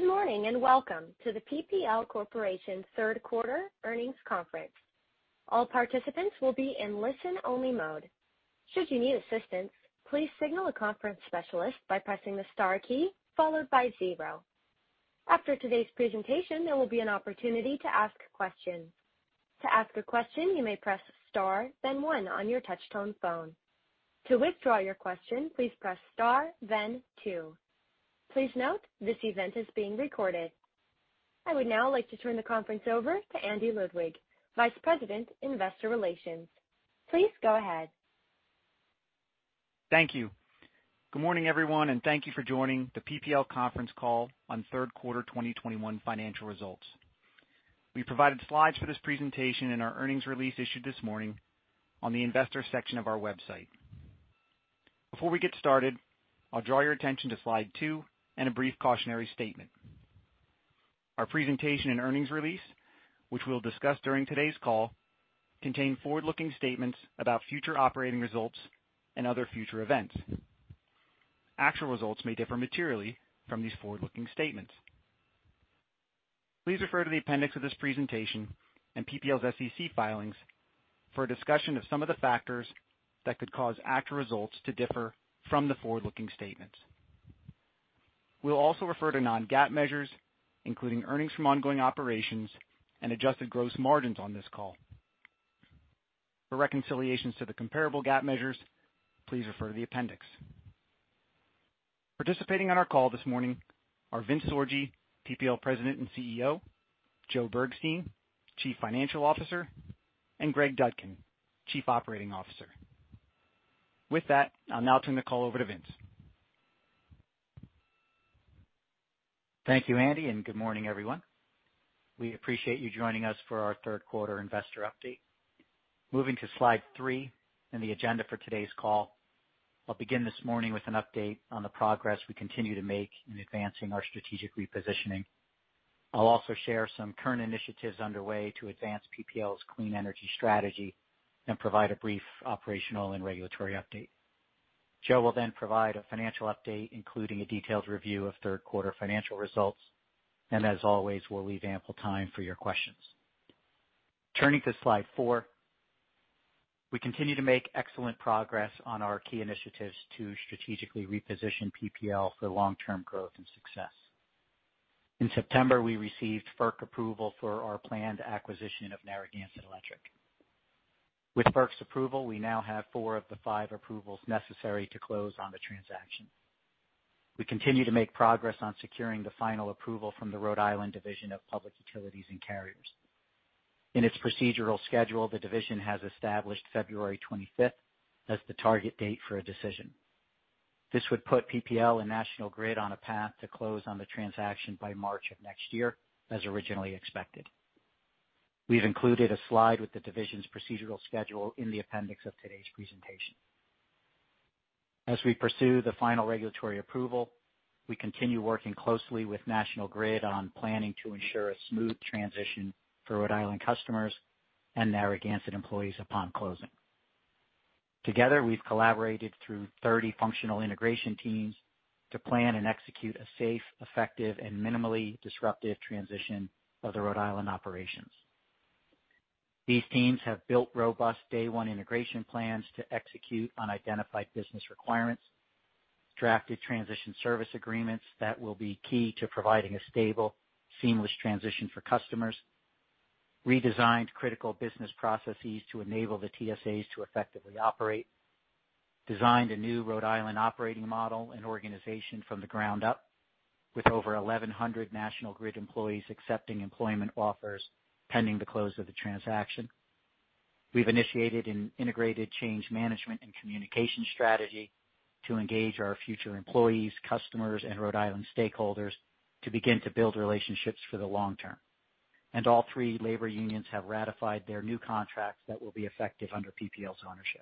Good morning, and welcome to the PPL Corporation Third Quarter Earnings Conference. All participants will be in listen-only mode. Should you need assistance, please signal a conference specialist by pressing the star key followed by zero. After today's presentation, there will be an opportunity to ask questions. To ask a question, you may press star then one on your touch-tone phone. To withdraw your question, please press star then two. Please note, this event is being recorded. I would now like to turn the conference over to Andy Ludwig, Vice President, Investor Relations. Please go ahead. Thank you. Good morning, everyone, and thank you for joining the PPL conference call on third quarter 2021 financial results. We provided slides for this presentation in our earnings release issued this morning on the investor section of our website. Before we get started, I'll draw your attention to slide two and a brief cautionary statement. Our presentation and earnings release, which we'll discuss during today's call, contain forward-looking statements about future operating results and other future events. Actual results may differ materially from these forward-looking statements. Please refer to the appendix of this presentation and PPL's SEC filings for a discussion of some of the factors that could cause actual results to differ from the forward-looking statements. We'll also refer to non-GAAP measures, including earnings from ongoing operations and adjusted gross margins on this call. For reconciliations to the comparable GAAP measures, please refer to the appendix. Participating on our call this morning are Vincent Sorgi, PPL President and CEO, Joe Bergstein, Chief Financial Officer, and Greg Dudkin, Chief Operating Officer. With that, I'll now turn the call over to Vince. Thank you, Andy, and good morning, everyone. We appreciate you joining us for our third quarter investor update. Moving to slide three in the agenda for today's call, I'll begin this morning with an update on the progress we continue to make in advancing our strategic repositioning. I'll also share some current initiatives underway to advance PPL's clean energy strategy and provide a brief operational and regulatory update. Joe will then provide a financial update, including a detailed review of third quarter financial results, and as always, we'll leave ample time for your questions. Turning to slide four, we continue to make excellent progress on our key initiatives to strategically reposition PPL for long-term growth and success. In September, we received FERC approval for our planned acquisition of Narragansett Electric. With FERC's approval, we now have four of the five approvals necessary to close on the transaction. We continue to make progress on securing the final approval from the Rhode Island Division of Public Utilities and Carriers. In its procedural schedule, the division has established February 25th as the target date for a decision. This would put PPL and National Grid on a path to close on the transaction by March of next year, as originally expected. We've included a slide with the division's procedural schedule in the appendix of today's presentation. As we pursue the final regulatory approval, we continue working closely with National Grid on planning to ensure a smooth transition for Rhode Island customers and Narragansett employees upon closing. Together, we've collaborated through 30 functional integration teams to plan and execute a safe, effective, and minimally disruptive transition of the Rhode Island operations. These teams have built robust day-one integration plans to execute on identified business requirements, drafted transition service agreements that will be key to providing a stable, seamless transition for customers, redesigned critical business processes to enable the TSAs to effectively operate, designed a new Rhode Island operating model and organization from the ground up with over 1,100 National Grid employees accepting employment offers pending the close of the transaction. We've initiated an integrated change management and communication strategy to engage our future employees, customers, and Rhode Island stakeholders to begin to build relationships for the long term. All three labor unions have ratified their new contracts that will be effective under PPL's ownership.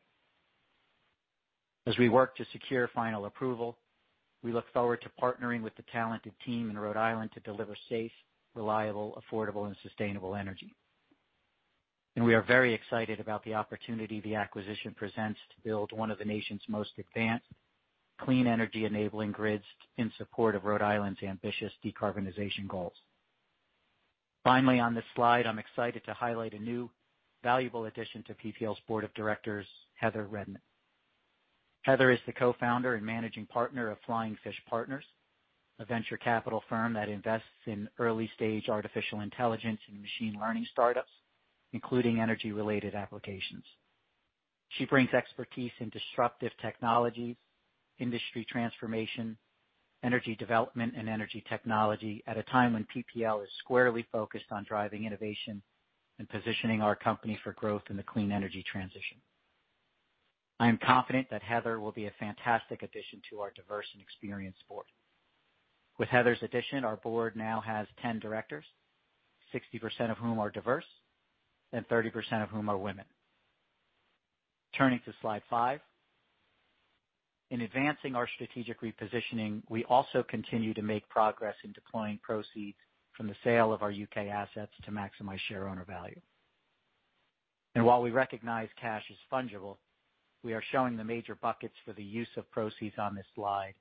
As we work to secure final approval, we look forward to partnering with the talented team in Rhode Island to deliver safe, reliable, affordable, and sustainable energy. We are very excited about the opportunity the acquisition presents to build one of the nation's most advanced clean energy-enabling grids in support of Rhode Island's ambitious decarbonization goals. Finally, on this slide, I'm excited to highlight a new valuable addition to PPL's board of directors, Heather Redman. Heather is the co-founder and managing partner of Flying Fish Partners, a venture capital firm that invests in early-stage artificial intelligence and machine learning startups, including energy-related applications. She brings expertise in disruptive technologies, industry transformation, energy development, and energy technology at a time when PPL is squarely focused on driving innovation and positioning our company for growth in the clean energy transition. I am confident that Heather will be a fantastic addition to our diverse and experienced board. With Heather's addition, our board now has 10 directors, 60% of whom are diverse and 30% of whom are women. Turning to slide five. In advancing our strategic repositioning, we also continue to make progress in deploying proceeds from the sale of our U.K. assets to maximize shareowner value. While we recognize cash is fungible, we are showing the major buckets for the use of proceeds on this slide,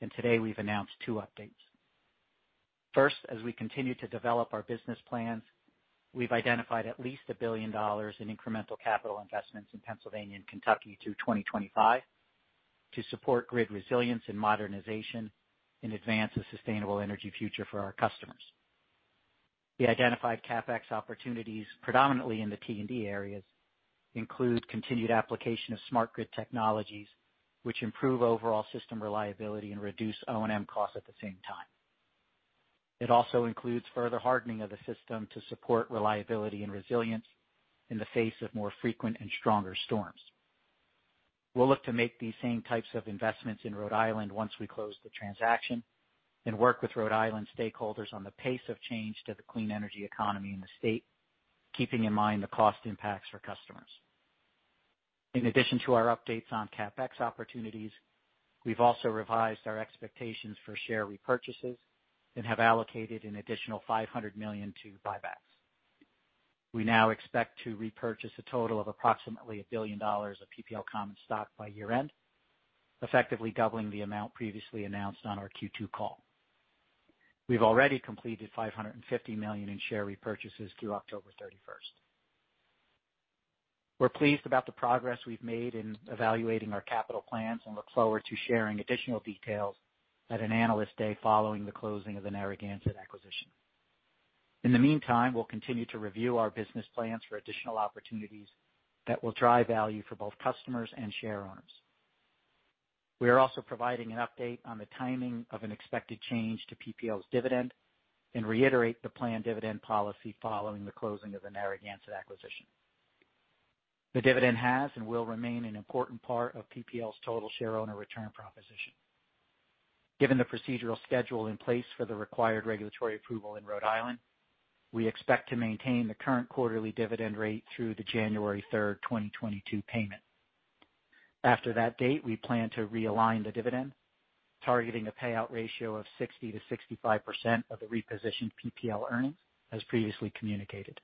and today we've announced two updates. First, as we continue to develop our business plans, we've identified at least $1 billion in incremental capital investments in Pennsylvania and Kentucky through 2025 to support grid resilience and modernization and advance a sustainable energy future for our customers. The identified CapEx opportunities, predominantly in the T&D areas, include continued application of smart grid technologies, which improve overall system reliability and reduce O&M costs at the same time. It also includes further hardening of the system to support reliability and resilience in the face of more frequent and stronger storms. We'll look to make these same types of investments in Rhode Island once we close the transaction and work with Rhode Island stakeholders on the pace of change to the clean energy economy in the state, keeping in mind the cost impacts for customers. In addition to our updates on CapEx opportunities, we've also revised our expectations for share repurchases and have allocated an additional $500 million to buybacks. We now expect to repurchase a total of approximately $1 billion of PPL common stock by year-end, effectively doubling the amount previously announced on our Q2 call. We've already completed $550 million in share repurchases through October 31. We're pleased about the progress we've made in evaluating our capital plans and look forward to sharing additional details at an Analyst Day following the closing of the Narragansett acquisition. In the meantime, we'll continue to review our business plans for additional opportunities that will drive value for both customers and shareowners. We are also providing an update on the timing of an expected change to PPL's dividend and reiterate the planned dividend policy following the closing of the Narragansett acquisition. The dividend has and will remain an important part of PPL's total shareowner return proposition. Given the procedural schedule in place for the required regulatory approval in Rhode Island, we expect to maintain the current quarterly dividend rate through the January 3, 2022 payment. After that date, we plan to realign the dividend, targeting a payout ratio of 60%-65% of the repositioned PPL earnings, as previously communicated.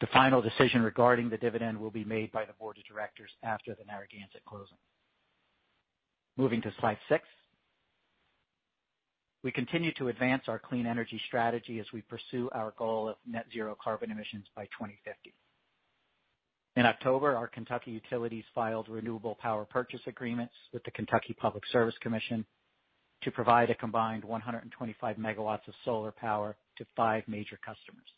The final decision regarding the dividend will be made by the board of directors after the Narragansett closing. Moving to slide six. We continue to advance our clean energy strategy as we pursue our goal of net zero carbon emissions by 2050. In October, our Kentucky utilities filed renewable power purchase agreements with the Kentucky Public Service Commission to provide a combined 125 MW of solar power to five major customers.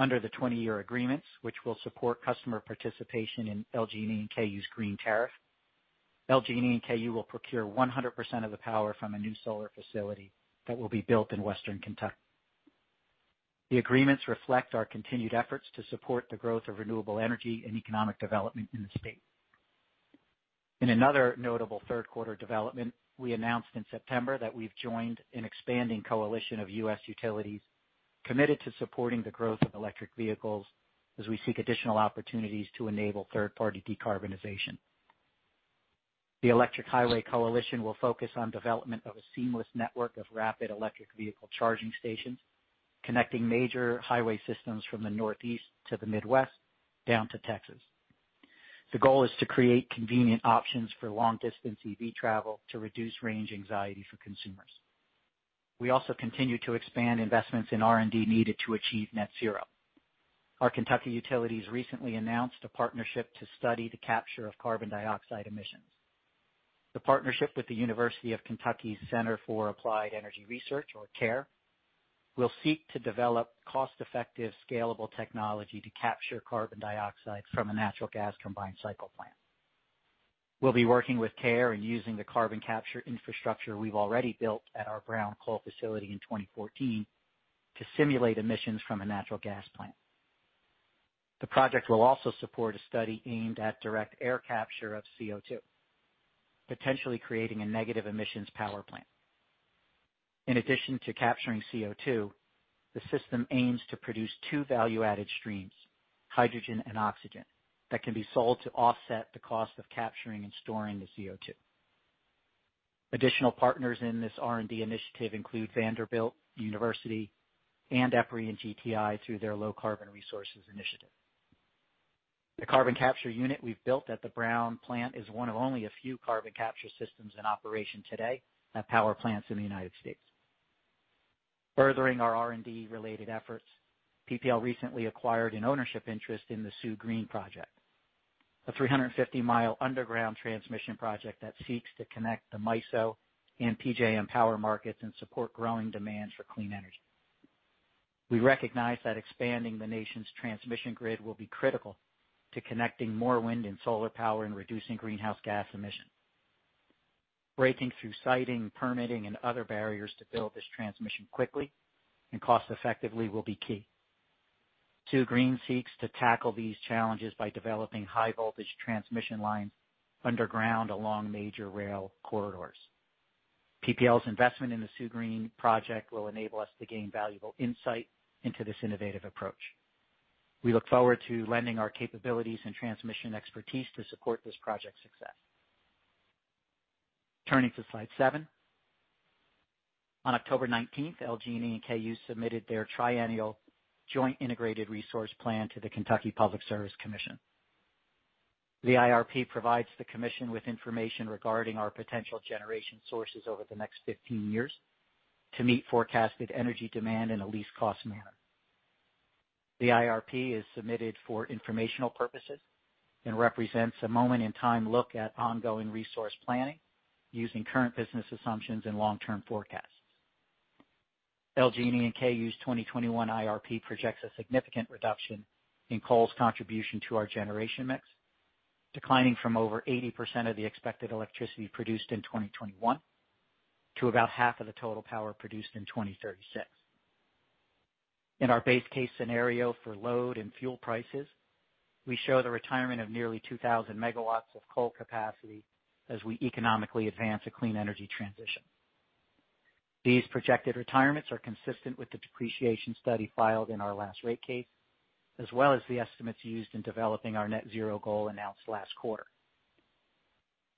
Under the 20-year agreements, which will support customer participation in LG&E and KU's Green Tariff, LG&E and KU will procure 100% of the power from a new solar facility that will be built in Western Kentucky. The agreements reflect our continued efforts to support the growth of renewable energy and economic development in the state. In another notable third quarter development, we announced in September that we've joined an expanding coalition of U.S. utilities committed to supporting the growth of electric vehicles as we seek additional opportunities to enable third-party decarbonization. The Electric Highway Coalition will focus on development of a seamless network of rapid electric vehicle charging stations connecting major highway systems from the Northeast to the Midwest down to Texas. The goal is to create convenient options for long-distance EV travel to reduce range anxiety for consumers. We also continue to expand investments in R&D needed to achieve net zero. Our Kentucky utilities recently announced a partnership to study the capture of carbon dioxide emissions. The partnership with the University of Kentucky's Center for Applied Energy Research, or CAER, will seek to develop cost-effective, scalable technology to capture carbon dioxide from a natural gas combined cycle plant. We'll be working with CAER in using the carbon capture infrastructure we've already built at our E.W. Brown coal facility in 2014 to simulate emissions from a natural gas plant. The project will also support a study aimed at direct air capture of CO2, potentially creating a negative emissions power plant. In addition to capturing CO2, the system aims to produce two value-added streams, hydrogen and oxygen, that can be sold to offset the cost of capturing and storing the CO2. Additional partners in this R&D initiative include Vanderbilt University and EPRI and GTI through their Low-Carbon Resources Initiative. The carbon capture unit we've built at the E.W. Brown plant is one of only a few carbon capture systems in operation today at power plants in the United States. Furthering our R&D-related efforts, PPL recently acquired an ownership interest in the SOO Green Project, a 350-mile underground transmission project that seeks to connect the MISO and PJM power markets and support growing demand for clean energy. We recognize that expanding the nation's transmission grid will be critical to connecting more wind and solar power and reducing greenhouse gas emission. Breaking through siting, permitting, and other barriers to build this transmission quickly and cost effectively will be key. SOO Green seeks to tackle these challenges by developing high-voltage transmission lines underground along major rail corridors. PPL's investment in the SOO Green project will enable us to gain valuable insight into this innovative approach. We look forward to lending our capabilities and transmission expertise to support this project's success. Turning to slide seven. On October 19, LG&E and KU submitted their triennial joint integrated resource plan to the Kentucky Public Service Commission. The IRP provides the commission with information regarding our potential generation sources over the next 15 years to meet forecasted energy demand in a least cost manner. The IRP is submitted for informational purposes and represents a moment in time look at ongoing resource planning using current business assumptions and long-term forecasts. LG&E and KU's 2021 IRP projects a significant reduction in coal's contribution to our generation mix, declining from over 80% of the expected electricity produced in 2021 to about half of the total power produced in 2036. In our base case scenario for load and fuel prices, we show the retirement of nearly 2,000 MW of coal capacity as we economically advance a clean energy transition. These projected retirements are consistent with the depreciation study filed in our last rate case, as well as the estimates used in developing our net zero goal announced last quarter.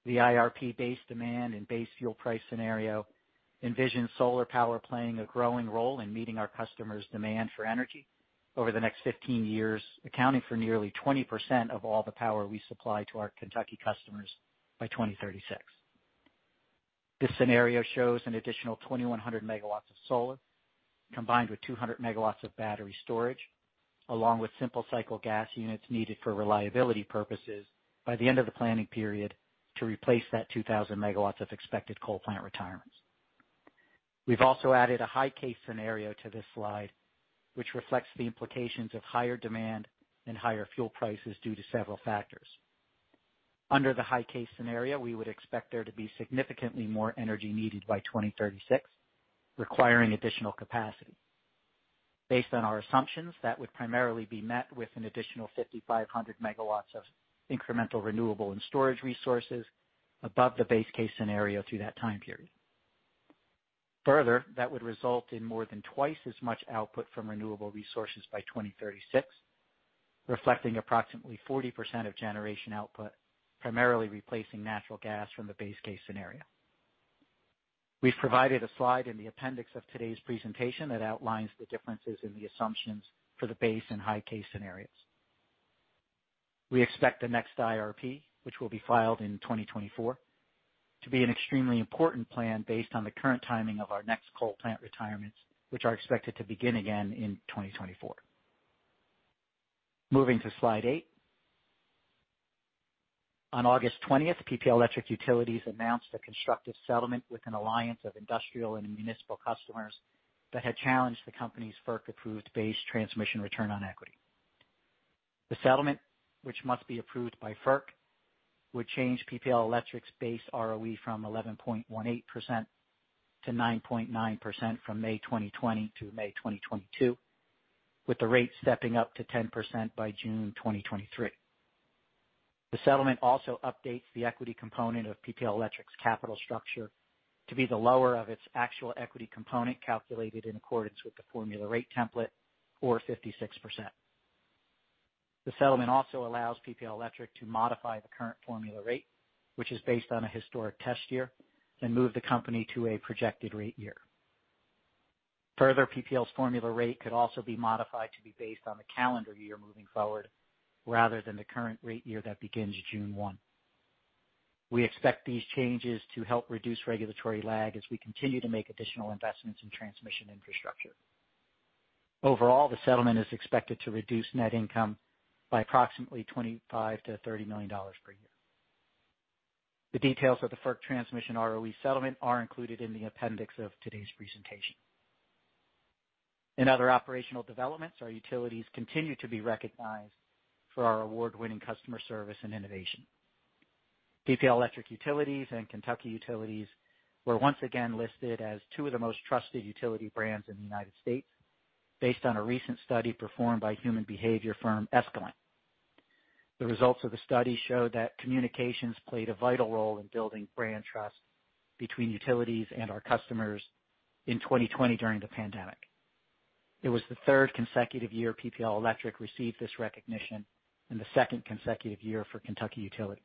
The IRP base demand and base fuel price scenario envision solar power playing a growing role in meeting our customers' demand for energy over the next 15 years, accounting for nearly 20% of all the power we supply to our Kentucky customers by 2036. This scenario shows an additional 2,100 MW of solar combined with 200 MW of battery storage, along with simple cycle gas units needed for reliability purposes by the end of the planning period to replace that 2,000 MW of expected coal plant retirements. We've also added a high case scenario to this slide, which reflects the implications of higher demand and higher fuel prices due to several factors. Under the high case scenario, we would expect there to be significantly more energy needed by 2036, requiring additional capacity. Based on our assumptions, that would primarily be met with an additional 5,500 MW of incremental renewable and storage resources above the base case scenario through that time period. Further, that would result in more than twice as much output from renewable resources by 2036, reflecting approximately 40% of generation output, primarily replacing natural gas from the base case scenario. We've provided a slide in the appendix of today's presentation that outlines the differences in the assumptions for the base and high case scenarios. We expect the next IRP, which will be filed in 2024, to be an extremely important plan based on the current timing of our next coal plant retirements, which are expected to begin again in 2024. Moving to slide eight. On August 20, PPL Electric Utilities announced a constructive settlement with an alliance of industrial and municipal customers that had challenged the company's FERC-approved base transmission return on equity. The settlement, which must be approved by FERC, would change PPL Electric's base ROE from 11.18% to 9.9% from May 2020 to May 2022, with the rate stepping up to 10% by June 2023. The settlement also updates the equity component of PPL Electric's capital structure to be the lower of its actual equity component calculated in accordance with the formula rate template or 56%. The settlement also allows PPL Electric to modify the current formula rate, which is based on a historic test year, and move the company to a projected rate year. Further, PPL's formula rate could also be modified to be based on the calendar year moving forward rather than the current rate year that begins June 1. We expect these changes to help reduce regulatory lag as we continue to make additional investments in transmission infrastructure. Overall, the settlement is expected to reduce net income by approximately $25 million-$30 million per year. The details of the FERC transmission ROE settlement are included in the appendix of today's presentation. In other operational developments, our utilities continue to be recognized for our award-winning customer service and innovation. PPL Electric Utilities and Kentucky Utilities were once again listed as two of the most trusted utility brands in the United States based on a recent study performed by human behavior firm Escalent. The results of the study showed that communications played a vital role in building brand trust between utilities and our customers in 2020 during the pandemic. It was the third consecutive year PPL Electric received this recognition and the second consecutive year for Kentucky Utilities.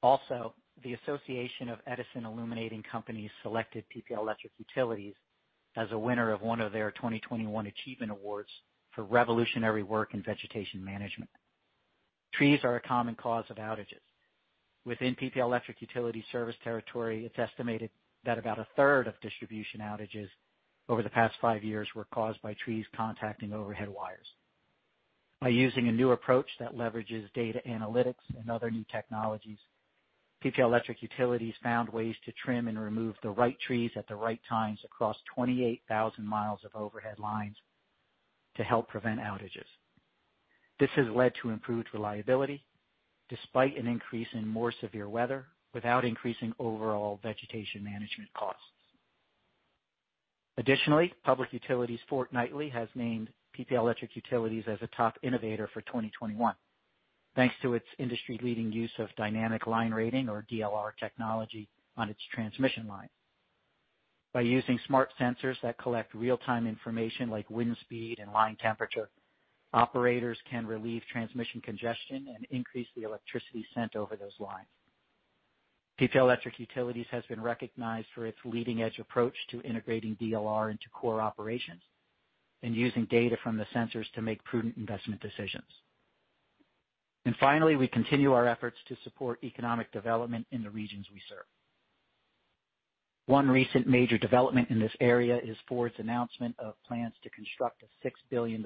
Also, the Association of Edison Illuminating Companies selected PPL Electric Utilities as a winner of one of their 2021 achievement awards for revolutionary work in vegetation management. Trees are a common cause of outages. Within PPL Electric Utilities service territory, it's estimated that about a third of distribution outages over the past five years were caused by trees contacting overhead wires. By using a new approach that leverages data analytics and other new technologies, PPL Electric Utilities found ways to trim and remove the right trees at the right times across 28,000 miles of overhead lines to help prevent outages. This has led to improved reliability, despite an increase in more severe weather, without increasing overall vegetation management costs. Additionally, Public Utilities Fortnightly has named PPL Electric Utilities as a top innovator for 2021, thanks to its industry-leading use of dynamic line rating, or DLR, technology on its transmission line. By using smart sensors that collect real-time information like wind speed and line temperature, operators can relieve transmission congestion and increase the electricity sent over those lines. PPL Electric Utilities has been recognized for its leading-edge approach to integrating DLR into core operations and using data from the sensors to make prudent investment decisions. Finally, we continue our efforts to support economic development in the regions we serve. One recent major development in this area is Ford's announcement of plans to construct a $6 billion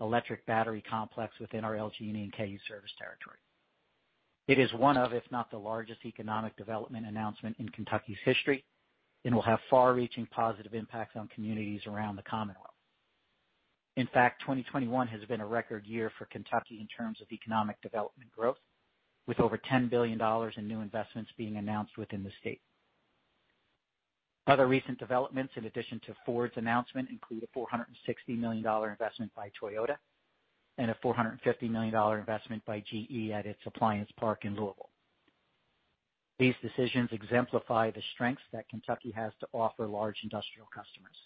electric battery complex within our LG&E and KU service territory. It is one of, if not the largest economic development announcement in Kentucky's history and will have far-reaching positive impacts on communities around the Commonwealth. In fact, 2021 has been a record year for Kentucky in terms of economic development growth, with over $10 billion in new investments being announced within the state. Other recent developments, in addition to Ford's announcement, include a $460 million investment by Toyota and a $450 million investment by GE at its Appliance Park in Louisville. These decisions exemplify the strengths that Kentucky has to offer large industrial customers.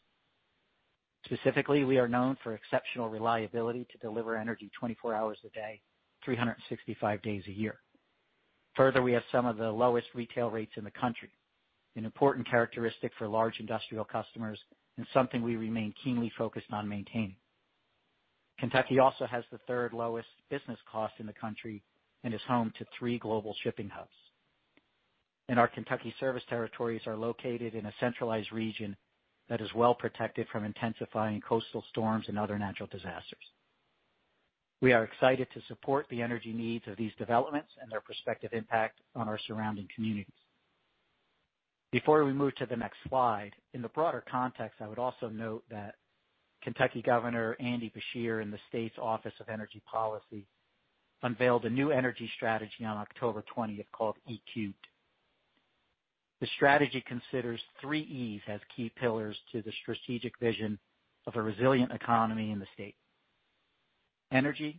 Specifically, we are known for exceptional reliability to deliver energy 24 hours a day, 365 days a year. Further, we have some of the lowest retail rates in the country, an important characteristic for large industrial customers and something we remain keenly focused on maintaining. Kentucky also has the third lowest business cost in the country and is home to three global shipping hubs. Our Kentucky service territories are located in a centralized region that is well protected from intensifying coastal storms and other natural disasters. We are excited to support the energy needs of these developments and their prospective impact on our surrounding communities. Before we move to the next slide, in the broader context, I would also note that Kentucky Governor Andy Beshear and the state's Office of Energy Policy unveiled a new energy strategy on October twentieth called E-cubed. The strategy considers three E's as key pillars to the strategic vision of a resilient economy in the state. Energy,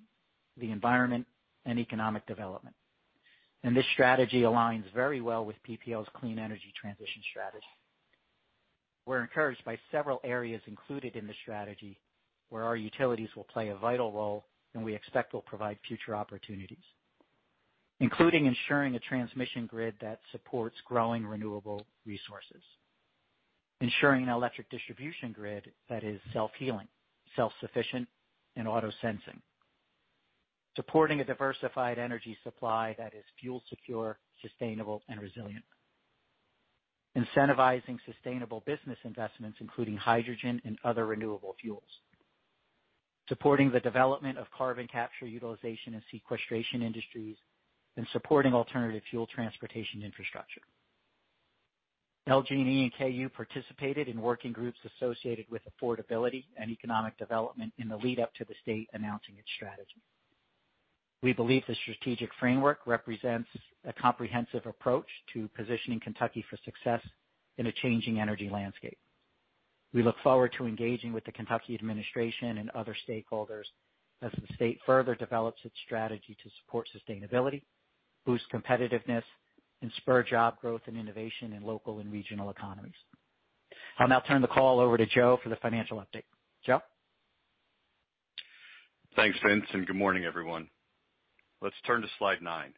the environment, and economic development. This strategy aligns very well with PPL's clean energy transition strategy. We're encouraged by several areas included in the strategy where our utilities will play a vital role and we expect will provide future opportunities, including ensuring a transmission grid that supports growing renewable resources, ensuring an electric distribution grid that is self-healing, self-sufficient, and auto-sensing, supporting a diversified energy supply that is fuel secure, sustainable, and resilient, incentivizing sustainable business investments, including hydrogen and other renewable fuels, supporting the development of carbon capture utilization and sequestration industries, and supporting alternative fuel transportation infrastructure. LG&E and KU participated in working groups associated with affordability and economic development in the lead-up to the state announcing its strategy. We believe the strategic framework represents a comprehensive approach to positioning Kentucky for success in a changing energy landscape. We look forward to engaging with the Kentucky administration and other stakeholders as the state further develops its strategy to support sustainability, boost competitiveness, and spur job growth and innovation in local and regional economies. I'll now turn the call over to Joe for the financial update. Joe? Thanks, Vince, and good morning, everyone. Let's turn to slide nine.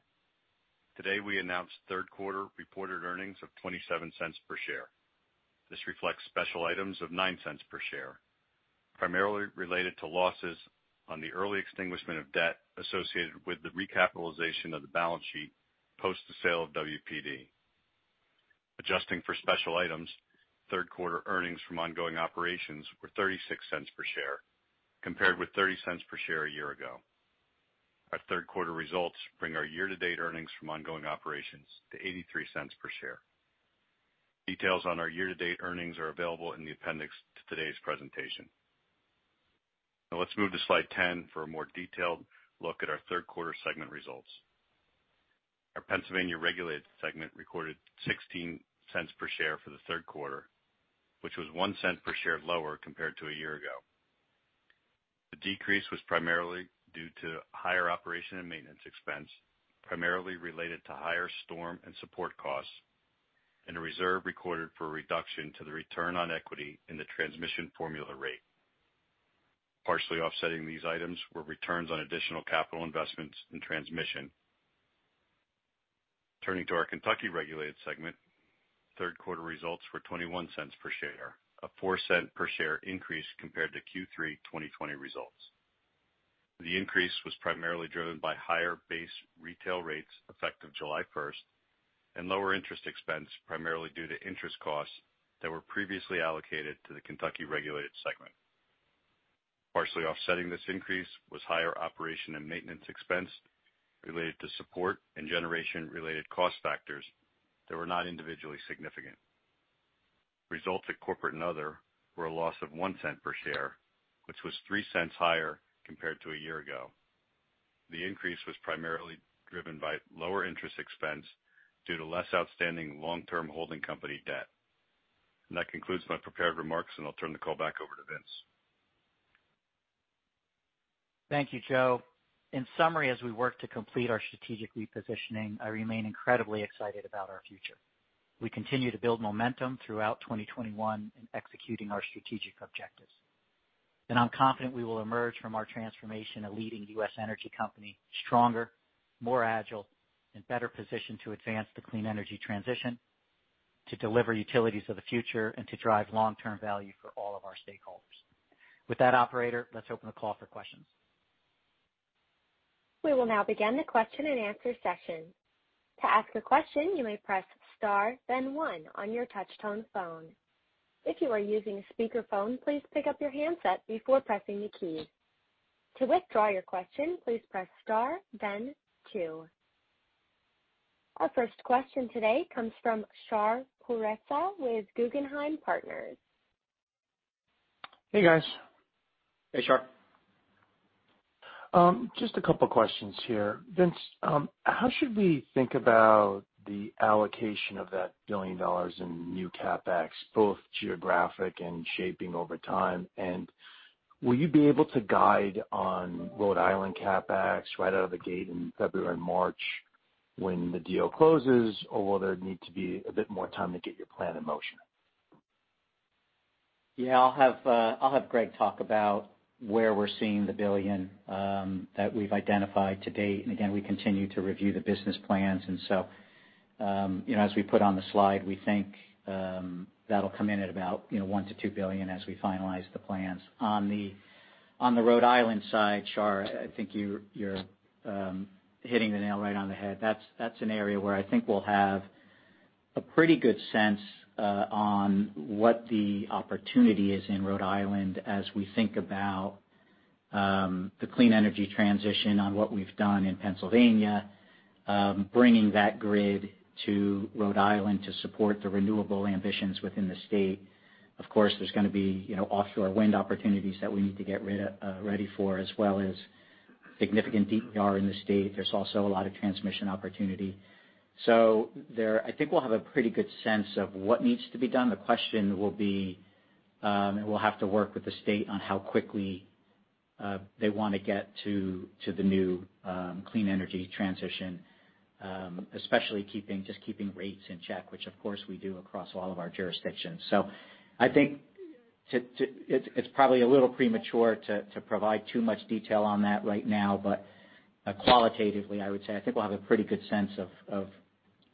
Today, we announced third quarter reported earnings of $0.27 per share. This reflects special items of $0.09 per share, primarily related to losses on the early extinguishment of debt associated with the recapitalization of the balance sheet post the sale of WPD. Adjusting for special items, third quarter earnings from ongoing operations were $0.36 per share, compared with $0.30 per share a year ago. Our third quarter results bring our year-to-date earnings from ongoing operations to $0.83 per share. Details on our year-to-date earnings are available in the appendix to today's presentation. Now let's move to slide 10 for a more detailed look at our third quarter segment results. Our Pennsylvania regulated segment recorded $0.16 per share for the third quarter, which was $0.01 per share lower compared to a year ago. The decrease was primarily due to higher operation and maintenance expense, primarily related to higher storm and support costs, and a reserve recorded for a reduction to the return on equity in the transmission formula rate. Partially offsetting these items were returns on additional capital investments in transmission. Turning to our Kentucky regulated segment, third quarter results were $0.21 per share, a $0.04 per share increase compared to Q3 2020 results. The increase was primarily driven by higher base retail rates effective July 1 and lower interest expense, primarily due to interest costs that were previously allocated to the Kentucky regulated segment. Partially offsetting this increase was higher operation and maintenance expense related to support and generation-related cost factors that were not individually significant. Results at Corporate and Other were a loss of $0.01 per share, which was $0.03 higher compared to a year ago. The increase was primarily driven by lower interest expense due to less outstanding long-term holding company debt. That concludes my prepared remarks, and I'll turn the call back over to Vince. Thank you, Joe. In summary, as we work to complete our strategic repositioning, I remain incredibly excited about our future. We continue to build momentum throughout 2021 in executing our strategic objectives. I'm confident we will emerge from our transformation a leading U.S. energy company, stronger, more agile, and better positioned to advance the clean energy transition, to deliver utilities of the future, and to drive long-term value for all of our stakeholders. With that, operator, let's open the call for questions. We will now begin the question-and-answer session. To ask a question, you may press star then one on your touch-tone phone. If you are using a speakerphone, please pick up your handset before pressing the key. To withdraw your question, please press star then two. Our first question today comes from Shar Pourreza with Guggenheim Partners. Hey, guys. Hey, Shar. Just a couple questions here. Vince, how should we think about the allocation of that $1 billion in new CapEx, both geographic and shaping over time? Will you be able to guide on Rhode Island CapEx right out of the gate in February and March when the deal closes, or will there need to be a bit more time to get your plan in motion? I'll have Greg talk about where we're seeing the $1 billion that we've identified to date. Again, we continue to review the business plans. You know, as we put on the slide, we think that'll come in at about $1 billion-$2 billion as we finalize the plans. On the Rhode Island side, Shar, I think you're hitting the nail right on the head. That's an area where I think we'll have a pretty good sense on what the opportunity is in Rhode Island as we think about the clean energy transition on what we've done in Pennsylvania, bringing that grid to Rhode Island to support the renewable ambitions within the state. Of course, there's going to be, you know, offshore wind opportunities that we need to get ready for, as well as significant DER in the state. There's also a lot of transmission opportunity. I think we'll have a pretty good sense of what needs to be done. The question will be, and we'll have to work with the state on how quickly they want to get to the new clean energy transition, especially just keeping rates in check, which of course we do across all of our jurisdictions. I think it's probably a little premature to provide too much detail on that right now, but qualitatively, I would say I think we'll have a pretty good sense of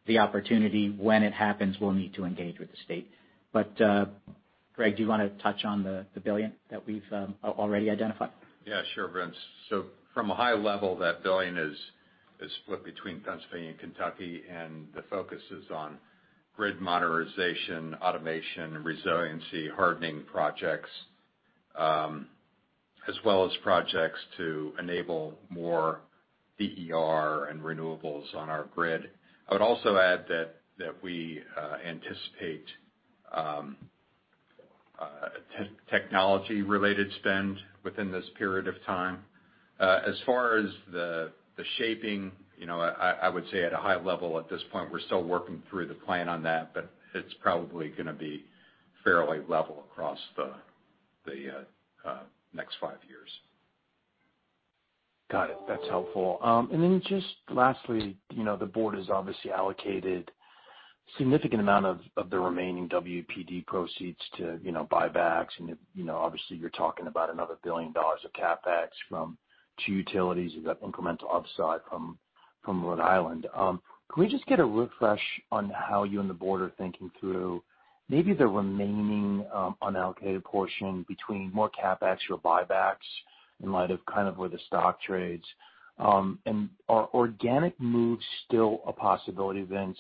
the opportunity. When it happens, we'll need to engage with the state. Greg, do you want to touch on the billion that we've already identified? Yeah, sure, Vince. From a high level, that $1 billion is split between Pennsylvania and Kentucky, and the focus is on grid modernization, automation, resiliency, hardening projects, as well as projects to enable more DER and renewables on our grid. I would also add that we anticipate technology-related spend within this period of time. As far as the shaping, you know, I would say at a high level at this point, we're still working through the plan on that, but it's probably going to be fairly level across the next five years. Got it. That's helpful. Just lastly, you know, the board has obviously allocated significant amount of the remaining WPD proceeds to, you know, buybacks. You know, obviously you're talking about another $1 billion of CapEx from two utilities. You've got incremental upside from Rhode Island. Can we just get a refresh on how you and the board are thinking through maybe the remaining unallocated portion between more CapEx or buybacks in light of kind of where the stock trades? Are organic moves still a possibility, Vince?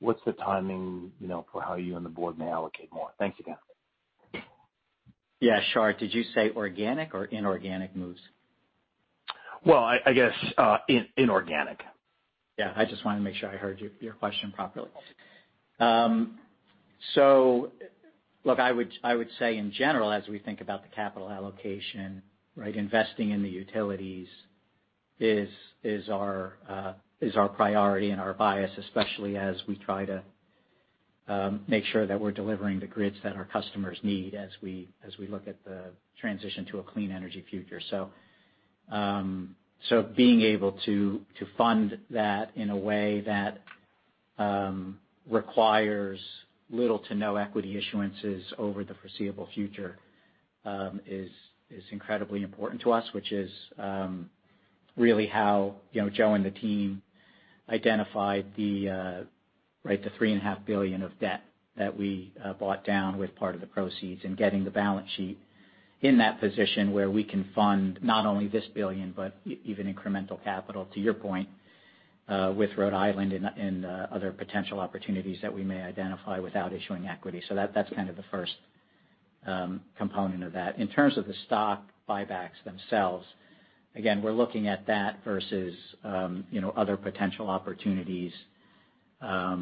What's the timing, you know, for how you and the board may allocate more? Thank you, guys. Yeah. Shar, did you say organic or inorganic moves? Well, I guess inorganic. Yeah. I just want to make sure I heard your question properly. Look, I would say in general, as we think about the capital allocation, right? Investing in the utilities is our priority and our bias, especially as we try to make sure that we're delivering the grids that our customers need as we look at the transition to a clean energy future. Being able to fund that in a way that requires little to no equity issuances over the foreseeable future is incredibly important to us, which is really how, you know, Joe and the team identified the right, the $3.5 billion of debt that we bought down with part of the proceeds and getting the balance sheet in that position where we can fund not only this $1 billion, but even incremental capital, to your point, with Rhode Island and other potential opportunities that we may identify without issuing equity. That's kind of the first component of that. In terms of the stock buybacks themselves, again, we're looking at that versus, you know, other potential opportunities. You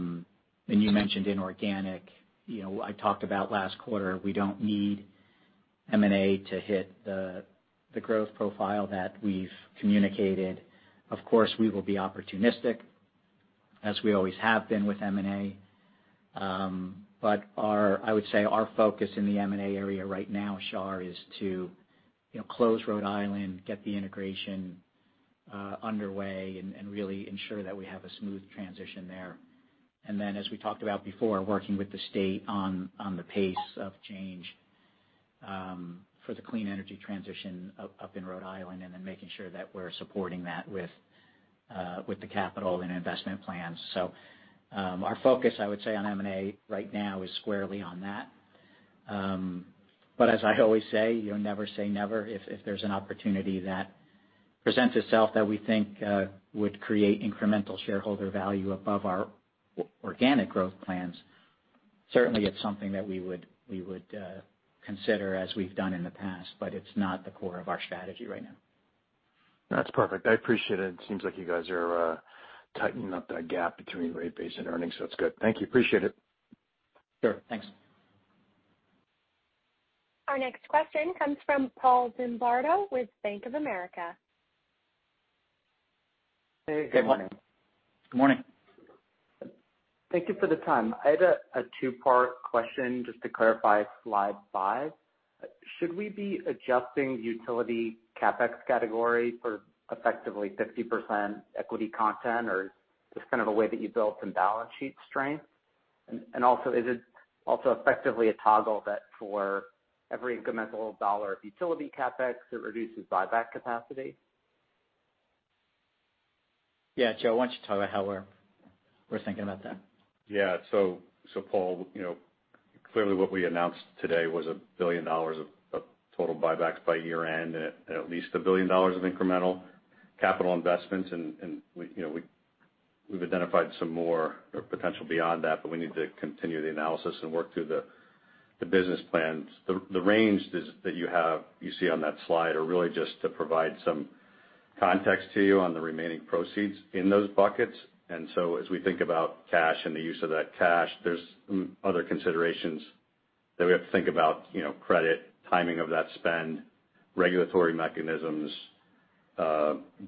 mentioned inorganic. You know, I talked about last quarter, we don't need M&A to hit the growth profile that we've communicated. Of course, we will be opportunistic. As we always have been with M&A. Our focus in the M&A area right now, Shar, is to, you know, close Rhode Island, get the integration underway and really ensure that we have a smooth transition there. As we talked about before, working with the state on the pace of change for the clean energy transition up in Rhode Island, and then making sure that we're supporting that with the capital and investment plans. Our focus, I would say on M&A right now is squarely on that. As I always say, you know, never say never. If there's an opportunity that presents itself that we think would create incremental shareholder value above our organic growth plans, certainly it's something that we would consider as we've done in the past, but it's not the core of our strategy right now. That's perfect. I appreciate it. It seems like you guys are tightening up that gap between rate base and earnings, so that's good. Thank you. Appreciate it. Sure. Thanks. Our next question comes from Paul Zimbardo with Bank of America. Hey, good morning. Good morning. Thank you for the time. I had a two-part question just to clarify slide five. Should we be adjusting the utility CapEx category for effectively 50% equity content or just kind of a way that you build some balance sheet strength? Also, is it also effectively a toggle that for every incremental dollar of utility CapEx, it reduces buyback capacity? Yeah. Joe, why don't you talk about how we're thinking about that. Yeah. Paul, you know, clearly what we announced today was $1 billion of total buybacks by year-end at least $1 billion of incremental capital investments. We, you know, we've identified some more potential beyond that, but we need to continue the analysis and work through the business plans. The range that you have, you see on that slide are really just to provide some context to you on the remaining proceeds in those buckets. As we think about cash and the use of that cash, there's other considerations that we have to think about, you know, credit, timing of that spend, regulatory mechanisms,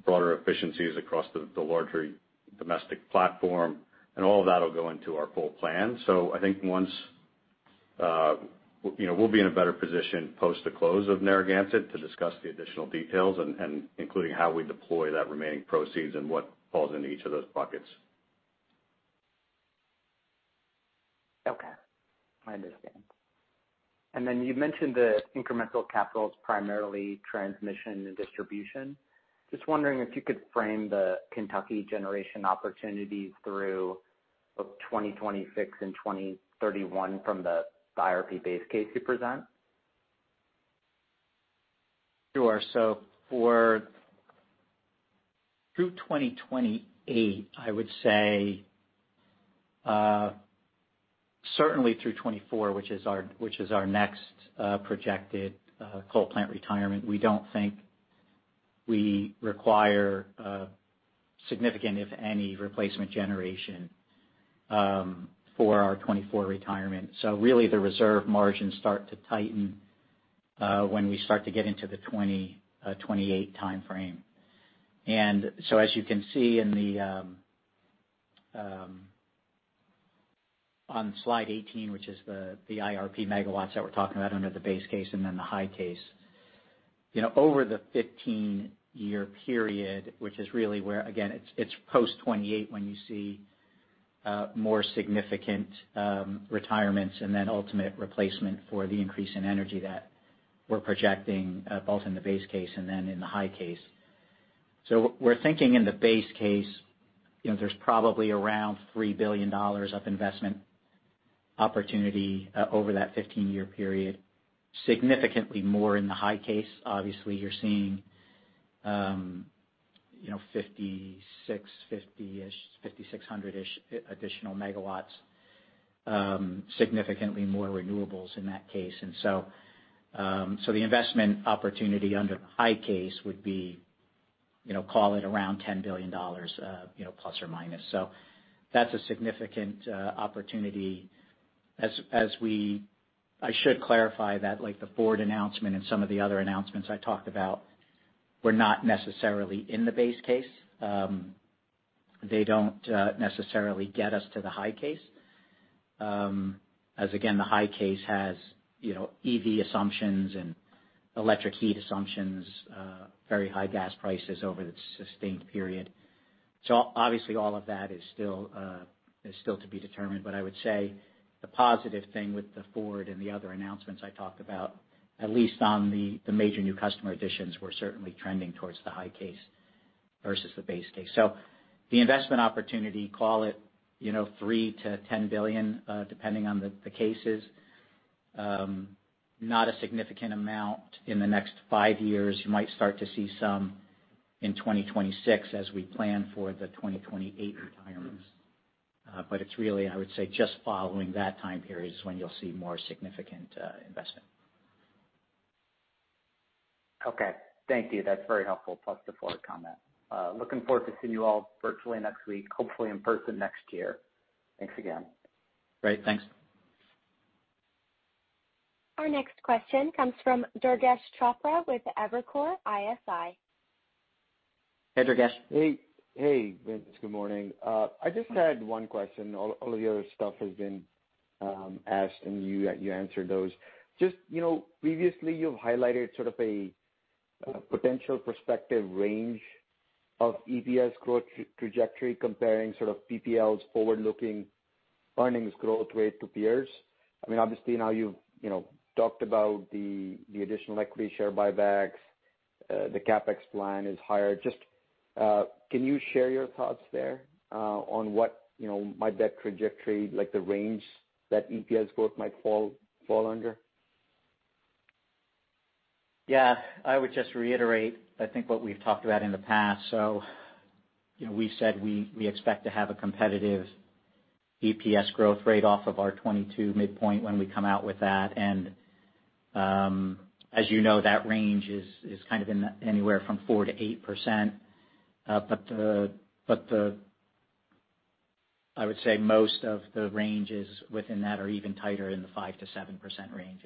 broader efficiencies across the larger domestic platform, and all of that'll go into our full plan. I think once we'll be in a better position post the close of Narragansett to discuss the additional details, including how we deploy that remaining proceeds and what falls into each of those buckets. Okay. I understand. You mentioned the incremental capital is primarily transmission and distribution. Just wondering if you could frame the Kentucky generation opportunities through both 2026 and 2031 from the IRP base case you present? Sure. For through 2028, I would say, certainly through 2024, which is our next projected coal plant retirement. We don't think we require significant, if any, replacement generation for our 2024 retirement. Really the reserve margins start to tighten when we start to get into the 2028 timeframe. As you can see on slide 18, which is the IRP megawatts that we're talking about under the base case and then the high case. You know, over the 15-year period, which is really where, again, it's post 2028 when you see more significant retirements and then ultimate replacement for the increase in energy that we're projecting both in the base case and then in the high case. We're thinking in the base case, you know, there's probably around $3 billion of investment opportunity over that 15-year period. Significantly more in the high case. Obviously, you're seeing, you know, 5,600-ish additional MW, significantly more renewables in that case. The investment opportunity under the high case would be, you know, call it around $10 billion, you know, plus or minus. That's a significant opportunity. I should clarify that like the Ford announcement and some of the other announcements I talked about were not necessarily in the base case. They don't necessarily get us to the high case. As again, the high case has, you know, EV assumptions and electric heat assumptions, very high gas prices over the sustained period. Obviously all of that is still to be determined. I would say the positive thing with the Ford and the other announcements I talked about, at least on the major new customer additions, we're certainly trending towards the high case versus the base case. The investment opportunity, call it, you know, $3 billion-$10 billion, depending on the cases. Not a significant amount in the next five years. You might start to see some in 2026 as we plan for the 2028 retirements. It's really, I would say, just following that time period is when you'll see more significant investment. Okay. Thank you. That's very helpful, plus the forward comment. Looking forward to seeing you all virtually next week, hopefully in person next year. Thanks again. Great. Thanks. Our next question comes from Durgesh Chopra with Evercore ISI. Hey, Durgesh. Hey, Vince. Good morning. I just had one question. All of your stuff has been asked, and you answered those. Just, you know, previously you've highlighted sort of a potential prospective range of EPS growth trajectory comparing sort of PPL's forward-looking earnings growth rate to peers. I mean, obviously now you've, you know, talked about the additional equity share buybacks, the CapEx plan is higher. Just, can you share your thoughts there on what, you know, might that trajectory, like the range that EPS growth might fall under? Yeah. I would just reiterate, I think, what we've talked about in the past. So, you know, we said we expect to have a competitive EPS growth rate off of our 2022 midpoint when we come out with that. As you know, that range is kind of anywhere from 4%-8%. But I would say most of the ranges within that are even tighter in the 5%-7% range.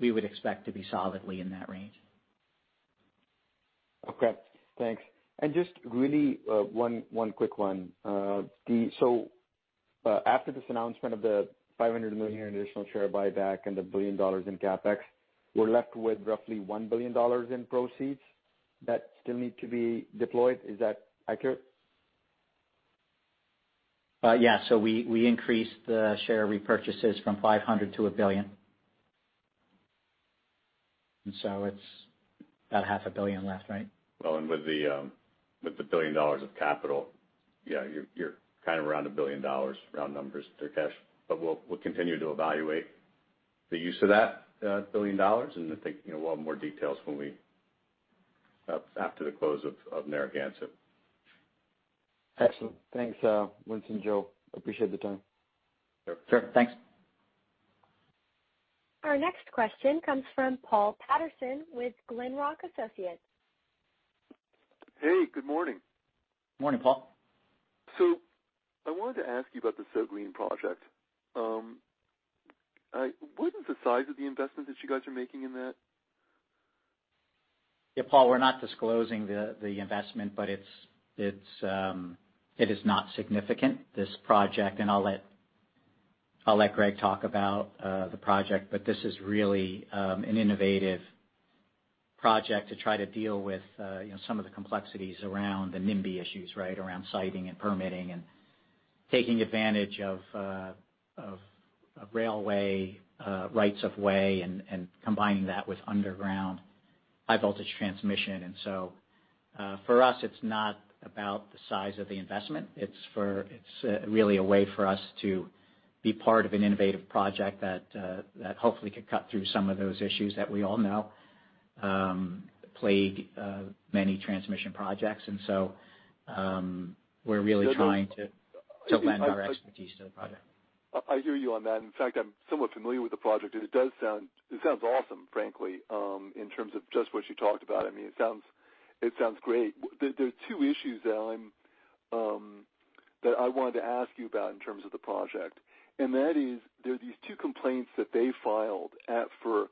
We would expect to be solidly in that range. Okay, thanks. Just really, one quick one. After this announcement of the $500 million additional share buyback and the $1 billion in CapEx, we're left with roughly $1 billion in proceeds that still need to be deployed. Is that accurate? Yeah. We increased the share repurchases from $500 million to $1 billion. It's about half a billion left, right? With the $1 billion of capital, yeah, you're kind of around $1 billion, round numbers there, Durgesh. We'll continue to evaluate the use of that $1 billion and I think, you know, we'll have more details after the close of Narragansett. Excellent. Thanks, Vince and Joe. Appreciate the time. Sure. Sure. Thanks. Our next question comes from Paul Patterson with Glenrock Associates. Hey, good morning. Morning, Paul. I wanted to ask you about the SOO Green Project. What is the size of the investment that you guys are making in that? Yeah, Paul, we're not disclosing the investment, but it's not significant, this project. I'll let Greg talk about the project, but this is really an innovative project to try to deal with you know some of the complexities around the NIMBY issues, right? Around siting and permitting and taking advantage of railway rights of way and combining that with underground high voltage transmission. For us, it's not about the size of the investment. It's really a way for us to be part of an innovative project that hopefully could cut through some of those issues that we all know plague many transmission projects. We're really trying to So- to lend our expertise to the project. I hear you on that. In fact, I'm somewhat familiar with the project, and it does sound. It sounds awesome, frankly, in terms of just what you talked about. I mean, it sounds great. There are two issues that I wanted to ask you about in terms of the project. That is, there are these two complaints that they filed at FERC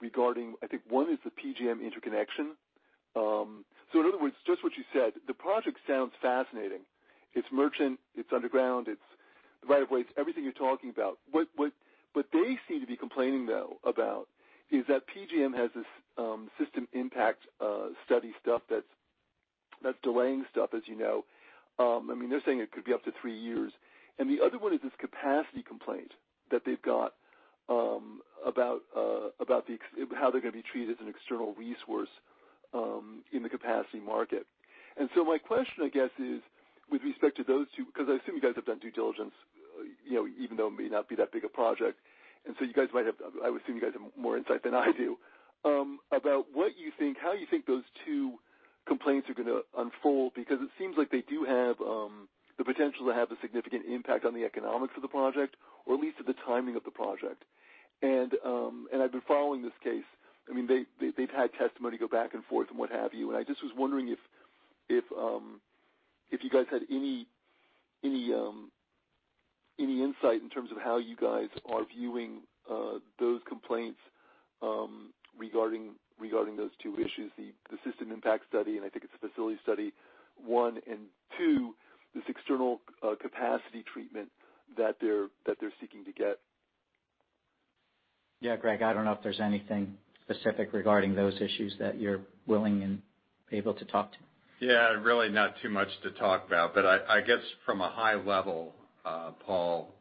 regarding. I think one is the PJM interconnection. In other words, just what you said, the project sounds fascinating. It's merchant, it's underground, it's the right of way. It's everything you're talking about. What they seem to be complaining though about is that PJM has this system impact study stuff that's delaying stuff, as you know. I mean, they're saying it could be up to three years. The other one is this capacity complaint that they've got, about how they're going to be treated as an external resource, in the capacity market. My question, I guess, is with respect to those two, because I assume you guys have done due diligence, you know, even though it may not be that big a project, and so you guys might have, I would assume you guys have more insight than I do, about what you think, how you think those two complaints are going to unfold, because it seems like they do have the potential to have a significant impact on the economics of the project or at least at the timing of the project. I've been following this case. I mean, they've had testimony go back and forth and what have you. I just was wondering if you guys had any insight in terms of how you guys are viewing those complaints regarding those two issues, the system impact study, and I think it's the facility study, one and two, this external capacity treatment that they're seeking to get? Yeah. Greg, I don't know if there's anything specific regarding those issues that you're willing and able to talk to. Yeah. Really not too much to talk about, but I guess from a high level, Paul,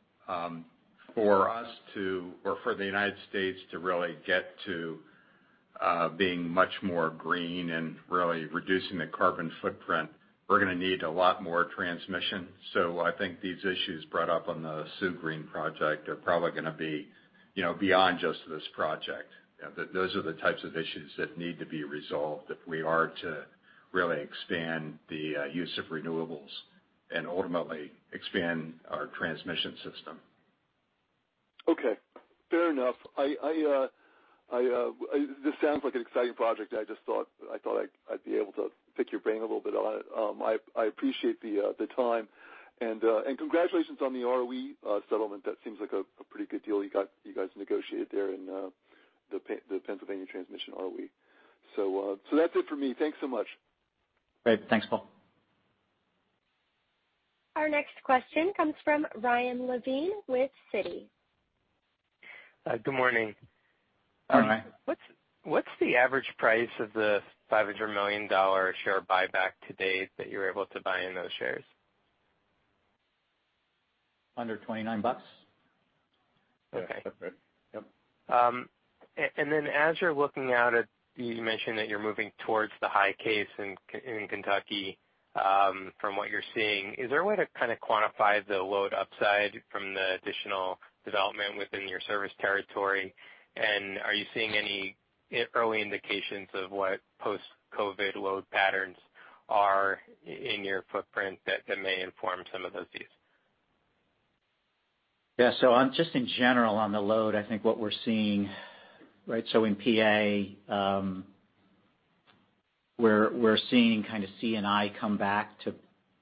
for us to, or for the United States to really get to being much more green and really reducing the carbon footprint, we're going to need a lot more transmission. I think these issues brought up on the SOO Green project are probably going to be, you know, beyond just this project. You know, those are the types of issues that need to be resolved if we are to really expand the use of renewables and ultimately expand our transmission system. Okay. Fair enough. I This sounds like an exciting project. I just thought I'd be able to pick your brain a little bit on it. I appreciate the time and congratulations on the ROE settlement. That seems like a pretty good deal you guys negotiated there in the Pennsylvania Transmission ROE. That's it for me. Thanks so much. Great. Thanks, Paul. Our next question comes from Ryan Levine with Citi. Good morning. Good morning. What's the average price of the $500 million share buyback to date that you were able to buy in those shares? Under $29. Okay. Yeah, that's right. Yep. As you're looking out, you mentioned that you're moving towards the high case in Kentucky, from what you're seeing, is there a way to kind of quantify the load upside from the additional development within your service territory? Are you seeing any early indications of what post-COVID load patterns are in your footprint that may inform some of those views? Yeah. On just in general on the load, I think what we're seeing, right, in PA, we're seeing kind of C&I come back to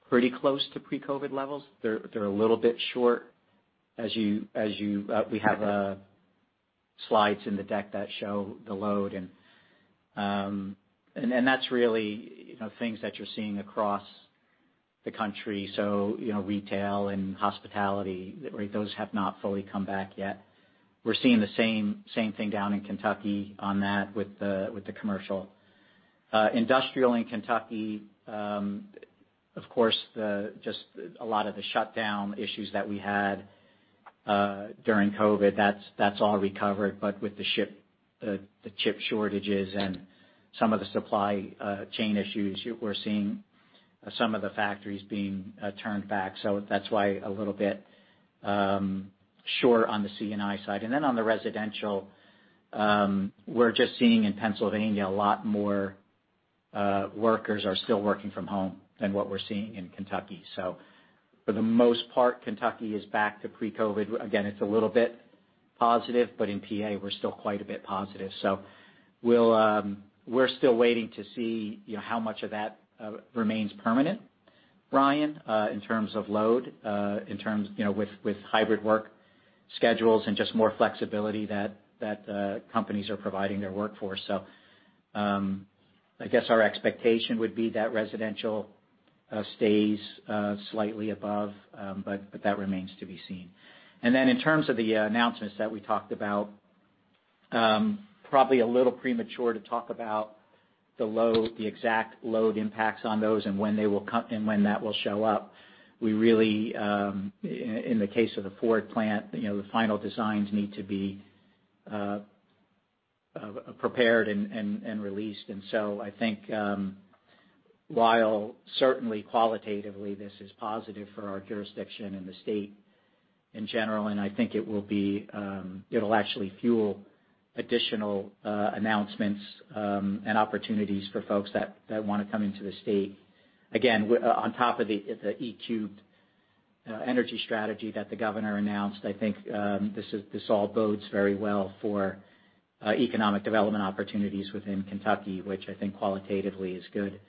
pretty close to pre-COVID levels. They're a little bit short. As you, we have slides in the deck that show the load and that's really, you know, things that you're seeing across the country. You know, retail and hospitality, right, those have not fully come back yet. We're seeing the same thing down in Kentucky on that with the commercial. Industrial in Kentucky, of course, just a lot of the shutdown issues that we had during COVID. That's all recovered, but with the chip shortages and some of the supply chain issues, we're seeing some of the factories being turned back. That's why a little bit short on the C&I side. On the residential, we're just seeing in Pennsylvania a lot more workers are still working from home than what we're seeing in Kentucky. For the most part, Kentucky is back to pre-COVID. Again, it's a little bit positive, but in PA, we're still quite a bit positive. We'll, we're still waiting to see, you know, how much of that remains permanent, Ryan, in terms of load, in terms, you know, with hybrid work schedules and just more flexibility that companies are providing their workforce. I guess our expectation would be that residential stays slightly above, but that remains to be seen. Then in terms of the announcements that we talked about, probably a little premature to talk about the load, the exact load impacts on those and when that will show up. We really, in the case of the Ford plant, you know, the final designs need to be prepared and released. I think, while certainly qualitatively this is positive for our jurisdiction and the state in general, and I think it will be, it'll actually fuel additional announcements, and opportunities for folks that want to come into the state. Again, on top of the E-cubed energy strategy that the governor announced, I think, this is, this all bodes very well for economic development opportunities within Kentucky, which I think qualitatively is good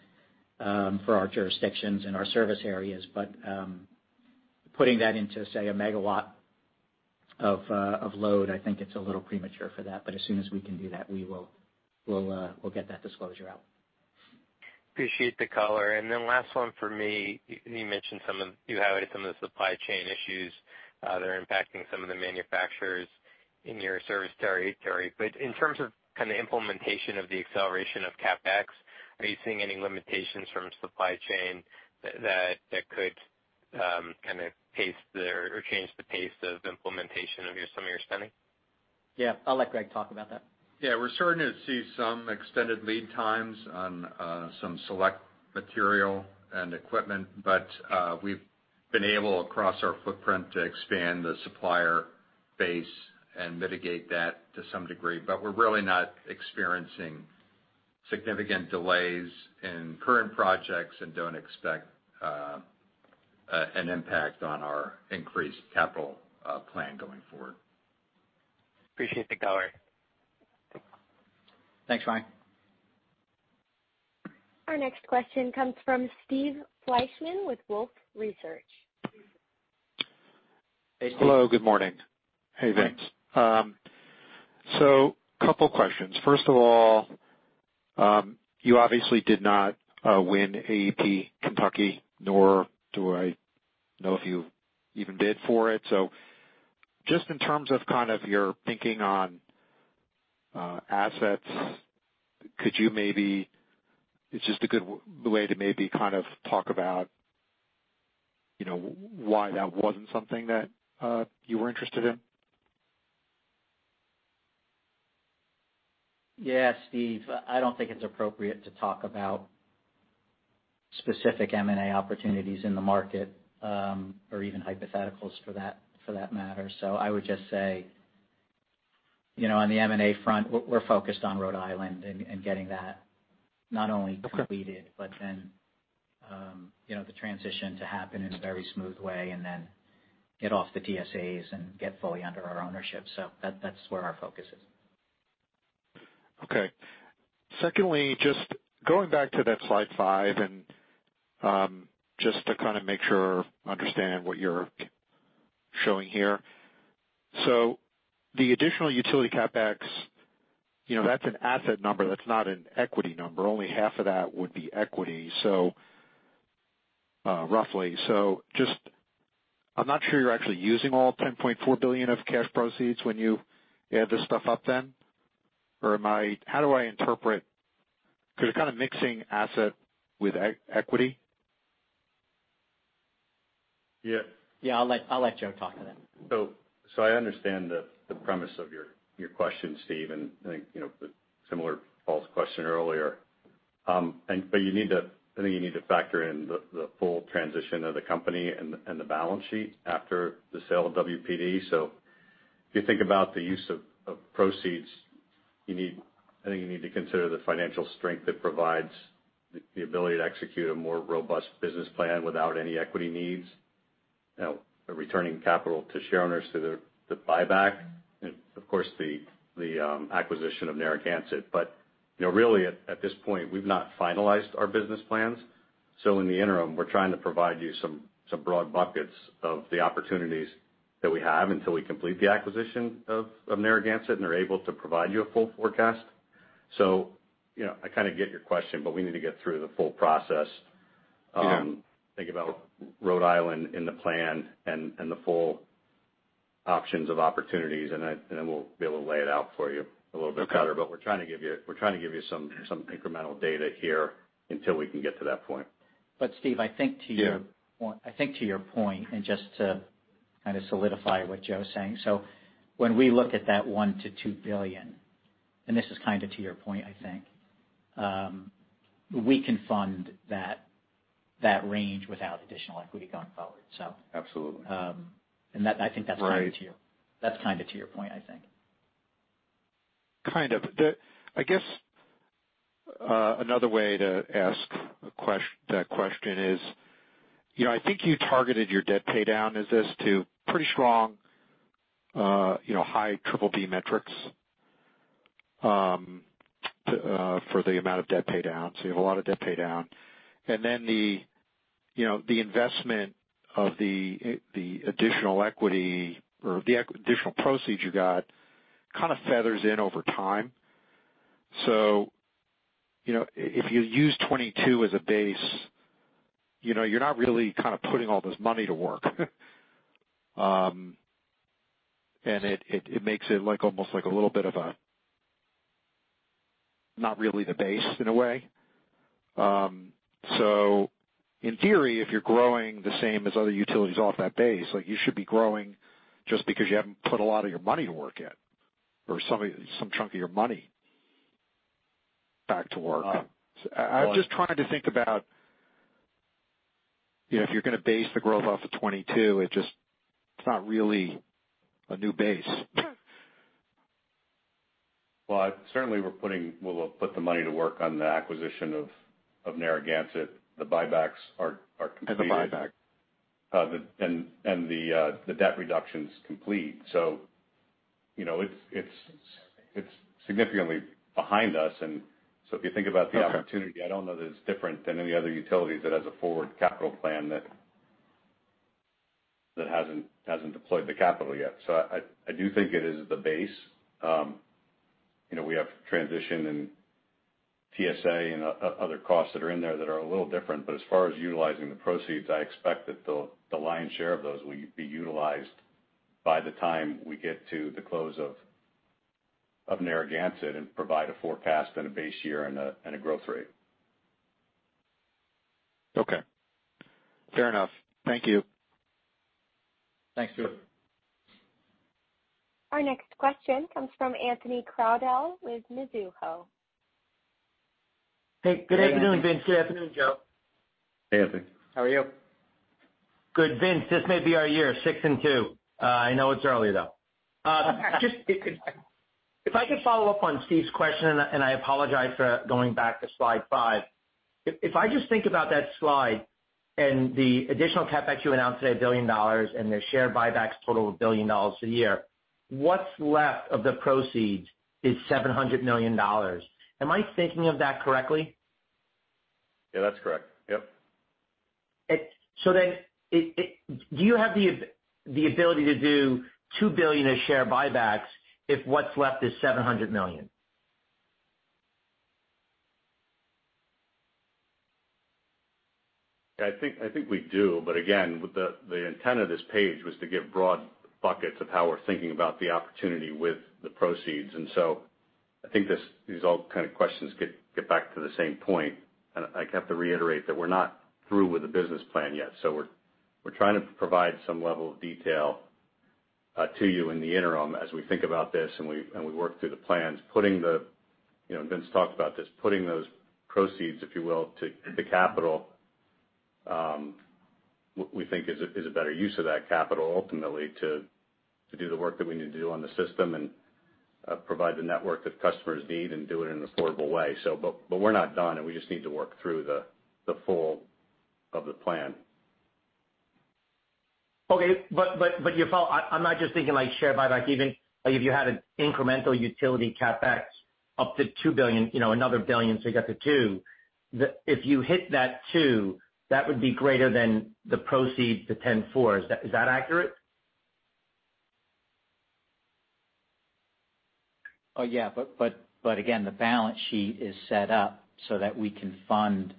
for our jurisdictions and our service areas. Putting that into, say, 1 MW of load, I think it's a little premature for that. As soon as we can do that, we will, we'll get that disclosure out. Appreciate the color. Last one for me. You mentioned some of, you highlighted some of the supply chain issues that are impacting some of the manufacturers in your service territory. In terms of kind of implementation of the acceleration of CapEx, are you seeing any limitations from supply chain that could kind of pace the, or change the pace of implementation of some of your spending? Yeah. I'll let Greg talk about that. Yeah. We're starting to see some extended lead times on some select material and equipment, but we've been able across our footprint to expand the supplier base and mitigate that to some degree. We're really not experiencing significant delays in current projects and don't expect an impact on our increased capital plan going forward. Appreciate the color. Thanks, Ryan. Our next question comes from Steve Fleishman with Wolfe Research. Hey, Steve. Hello, good morning. Hey, thanks. Couple questions. First of all, you obviously did not win AEP Kentucky, nor do I know if you even bid for it. Just in terms of kind of your thinking on assets, is this a good way to maybe kind of talk about, you know, why that wasn't something that you were interested in? Yeah, Steve, I don't think it's appropriate to talk about specific M&A opportunities in the market, or even hypotheticals for that, for that matter. I would just say, you know, on the M&A front, we're focused on Rhode Island and getting that not only completed- Okay You know, the transition to happen in a very smooth way and then get off the TSAs and get fully under our ownership. That's where our focus is. Okay. Secondly, just going back to that slide five and just to kind of make sure I understand what you're showing here. The additional utility CapEx, you know, that's an asset number, that's not an equity number. Only half of that would be equity. Roughly. Just I'm not sure you're actually using all $10.4 billion of cash proceeds when you add this stuff up then. Or am I? How do I interpret? Because you're kind of mixing asset with equity. Yeah. I'll let Joe talk to that. I understand the premise of your question, Steve, and I think, you know, similar to Paul's question earlier. You need to, I think, factor in the full transition of the company and the balance sheet after the sale of WPD. If you think about the use of proceeds, you need, I think, to consider the financial strength that provides the ability to execute a more robust business plan without any equity needs. You know, returning capital to shareholders through the buyback and of course the acquisition of Narragansett. You know, really at this point, we've not finalized our business plans. In the interim, we're trying to provide you some broad buckets of the opportunities that we have until we complete the acquisition of Narragansett and are able to provide you a full forecast. You know, I kind of get your question, but we need to get through the full process. Yeah. Think about Rhode Island in the plan and the full options of opportunities, and then we'll be able to lay it out for you a little bit better. Okay. We're trying to give you some incremental data here until we can get to that point. Steve, I think to your- Yeah. I think to your point, and just to kind of solidify what Joe's saying. When we look at that $1 billion-$2 billion, and this is kind of to your point, I think, we can fund that range without additional equity going forward. Absolutely. that, I think that's kind of to your- Right. That's kind of to your point, I think. Kind of. I guess another way to ask that question is, you know, I think you targeted your debt paydown as this to pretty strong, you know, high triple B metrics, to, for the amount of debt paydown, so you have a lot of debt paydown. Then the, you know, the investment of the additional equity or the additional proceeds you got kind of fades in over time. You know, if you use 22 as a base, you know, you're not really kind of putting all this money to work. And it makes it like almost like a little bit of a, not really the base in a way. In theory, if you're growing the same as other utilities off that base, like you should be growing just because you haven't put a lot of your money to work yet or some chunk of your money back to work. Uh. I was just trying to think about, you know, if you're going to base the growth off of 2022, it just, it's not really a new base. Well, certainly we'll put the money to work on the acquisition of Narragansett. The buybacks are completed. The buyback. The debt reduction's complete. You know, it's significantly behind us. If you think about the opportunity. Okay. I don't know that it's different than any other utilities that has a forward capital plan that hasn't deployed the capital yet. I do think it is the base. You know, we have transition and TSA and other costs that are in there that are a little different. As far as utilizing the proceeds, I expect that the lion's share of those will be utilized by the time we get to the close of Narragansett and provide a forecast and a base year and a growth rate. Okay. Fair enough. Thank you. Thanks, Steve. Our next question comes from Anthony Crowdell with Mizuho. Hey, good afternoon, Vince. Good afternoon, Joe. Hey, Anthony. How are you? Good. Vince, this may be our year, six and two. I know it's early though. Just if I could follow up on Steve's question, and I apologize for going back to slide five. If I just think about that slide and the additional CapEx you announced today, $1 billion, and the share buybacks total of $1 billion a year, what's left of the proceeds is $700 million. Am I thinking of that correctly? Yeah, that's correct. Yep. Do you have the ability to do $2 billion in share buybacks if what's left is $700 million? Yeah, I think we do. Again, the intent of this page was to give broad buckets of how we're thinking about the opportunity with the proceeds. I think these all kind of questions get back to the same point. I have to reiterate that we're not through with the business plan yet. We're trying to provide some level of detail to you in the interim as we think about this and we work through the plans. Putting the, you know, and Vince talked about this, putting those proceeds, if you will, to the capital, we think is a better use of that capital ultimately to do the work that we need to do on the system and provide the network that customers need and do it in an affordable way, so. We're not done, and we just need to work through the full of the plan. Okay. I'm not just thinking like share buyback. Even like if you had an incremental utility CapEx up to $2 billion, you know, another billion to get to $2 billion, if you hit that $2 billion, that would be greater than the proceeds to $10.4. Is that accurate? Oh, yeah. Again, the balance sheet is set up so that we can fund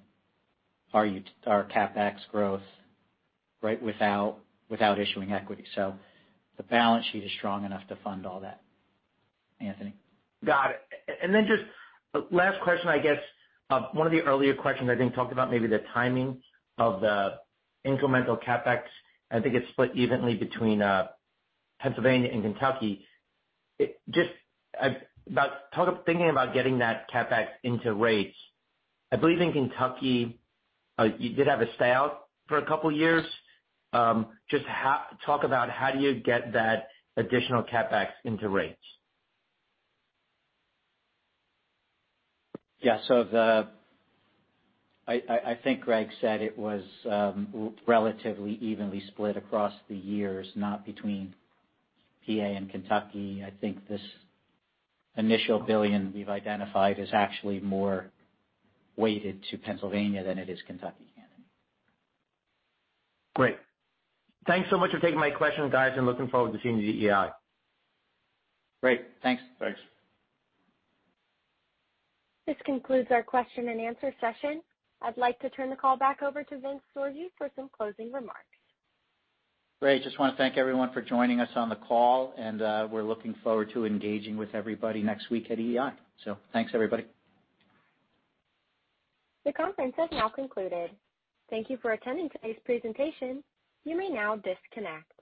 our CapEx growth, right, without issuing equity. The balance sheet is strong enough to fund all that. Anthony. Got it. Just last question, I guess, one of the earlier questions, I think, talked about maybe the timing of the incremental CapEx. I think it's split evenly between Pennsylvania and Kentucky. It's just about talk of thinking about getting that CapEx into rates. I think in Kentucky you did have a stay out for a couple years. Just talk about how do you get that additional CapEx into rates. Yeah. I think Greg said it was relatively evenly split across the years, not between PA and Kentucky. I think this initial $1 billion we've identified is actually more weighted to Pennsylvania than it is Kentucky, Anthony. Great. Thanks so much for taking my questions, guys, and looking forward to seeing you at EEI. Great. Thanks. Thanks. This concludes our question-and-answer session. I'd like to turn the call back over to Vince Sorgi for some closing remarks. Great. Just want to thank everyone for joining us on the call, and we're looking forward to engaging with everybody next week at EEI. Thanks, everybody. The conference has now concluded. Thank you for attending today's presentation. You may now disconnect.